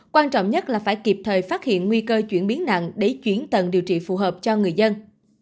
quan trọng nhất là phải kịp thời phát hiện nguy cơ chuyển biến nặng để chuyển tầng điều trị phù hợp cho người dân